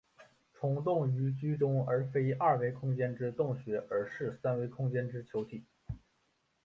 虫洞于剧中也非二维空间之洞穴而是三维空间之球体。